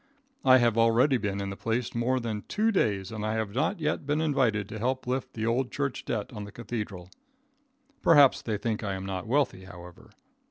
I have already been in the place more than two days and I have not yet been invited to help lift the old church debt on the cathedral. Perhaps they think I am not wealthy, however.